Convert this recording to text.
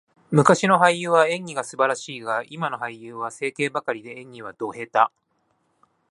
昔の俳優は演技が素晴らしいが、今の俳優は整形ばかりで、演技はド下手。